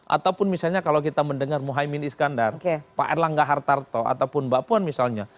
ataupun misalnya kalau kita mendengar muhaymin iskandar pak erlangga hartarto ataupun mbak puan misalnya